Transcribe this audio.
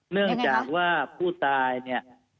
เนื่องจากว่าผู้ตายเนี่ย